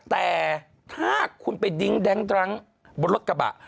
แต่ถ้าคุณไปดิ้งแร้งบนรถกระบะ